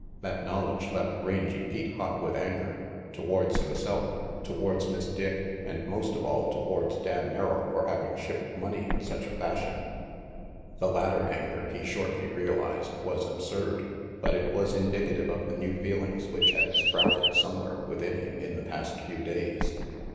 That knowledge left Rangy Pete hot 254 RANGY PETE with anger, towards himself, towards Miss Dick, and most of all towards Dan Merrill for having shipped money in such a fashion. The latter anger, he shortly realized, was absurd. But it was indicative of the new feelings which had sprouted somewhere within him in the past few days.